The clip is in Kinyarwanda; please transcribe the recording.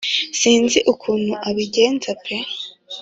sinzi ukuntu abigenza pe